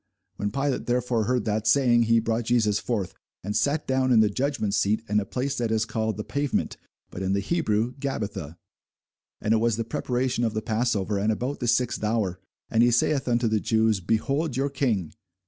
When Pilate therefore heard that saying, he brought Jesus forth, and sat down in the judgment seat in a place that is called the Pavement, but in the Hebrew, Gabbatha. And it was the preparation of the passover, and about the sixth hour: and he saith unto the Jews, Behold your King!